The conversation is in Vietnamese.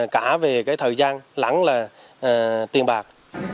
cả về thời gian lắng là tiền bạc